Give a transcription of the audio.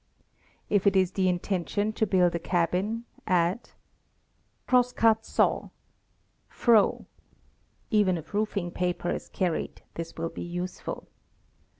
If it is the intention to build a cabin, add : Crosscut saw. Froe. (Even if roofing paper is carried, this will be useful.)